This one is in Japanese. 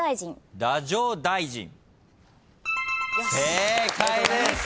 正解です！